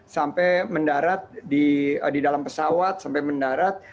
sampai mendarat di dalam pesawat sampai mendarat